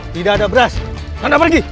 tidak ada beras tidak pergi